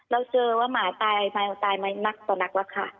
เราเจอว่าหมาตายมานักต่อนักบ้างค่ะ